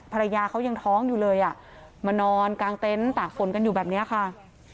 ภรรยาเขายังท้องอยู่เลยอ่ะมานอนกลางเต็นต์ตากฝนกันอยู่แบบนี้ค่ะ